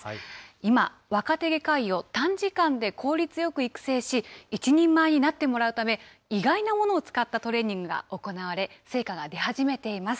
今、若手外科医を短時間で効率よく育成し、一人前になってもらうため、意外なものを使ったトレーニングが行われ、成果が出始めています。